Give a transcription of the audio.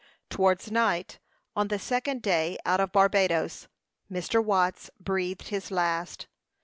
Towards night, on the second day out of Barbadoes, Mr. Watts breathed his last.